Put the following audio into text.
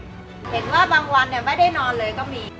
เห็นว่าบางวันไม่ได้นอนเลยก็มี